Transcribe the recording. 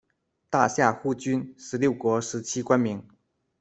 大夏护军，十六国时期官名。